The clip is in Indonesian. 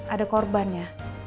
ada korban ya